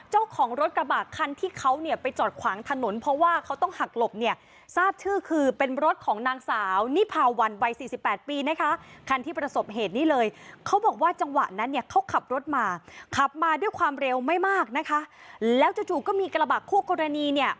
เหตุบันทึกภาพออกแล้วนี่คือกล้องวงจรปิดบริเวณจุดเกิดเหตุบันทึก